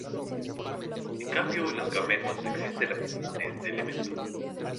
En cambio en los gametos existe la mitad de este elemento.